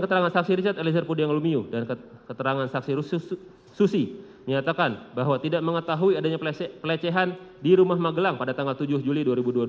keterangan saksi susi menyatakan bahwa tidak mengetahui adanya pelecehan di rumah magelang pada tanggal tujuh juli dua ribu dua puluh dua